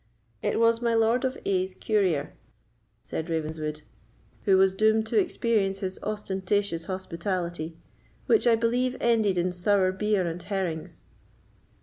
"It was my Lord of A——'s courier," said Ravenswood, "who was doomed to experience his ostentatious hospitality, which I believe ended in sour beer and herrings.